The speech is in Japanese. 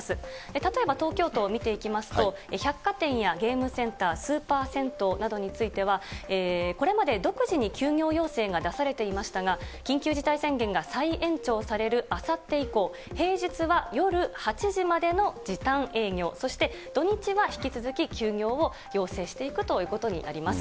例えば東京都を見ていきますと、百貨店やゲームセンター、スーパー銭湯などについては、これまで独自に休業要請が出されていましたが、緊急事態宣言が再延長されるあさって以降、平日は夜８時までの時短営業、そして土日は引き続き休業を要請していくということになります。